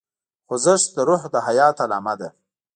خوځښت د روح د حیات علامه ده.